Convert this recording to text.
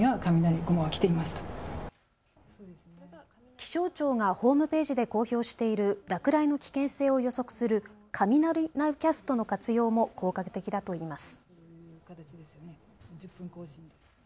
気象庁がホームページで公表している落雷の危険性を予測する雷ナウキャストの活用も効果的だといいます。